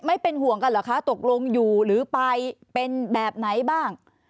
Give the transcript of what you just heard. ไม่เป็นห่วงกันเหรอคะตกลงอยู่หรือไปเป็นแบบไหนบ้าง